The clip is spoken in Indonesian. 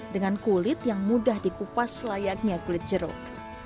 dengan kulit yang mudah dikupas layaknya kulit jeruk